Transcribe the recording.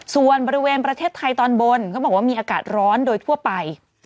ส่วนบริเวณประเทศไทยตอนบนเขาบอกว่ามีอากาศร้อนโดยทั่วไป